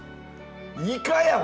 イカやん！